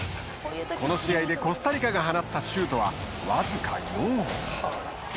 この試合で、コスタリカが放ったシュートは、わずか４本。